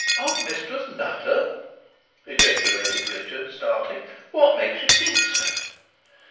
"Of Mistress Nutter!" ejaculated Richard, starting. "What makes you think so?"